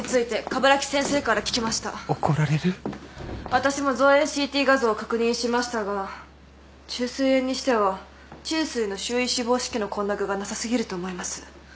私も造影ＣＴ画像を確認しましたが虫垂炎にしては虫垂の周囲脂肪織の混濁がなさ過ぎると思います。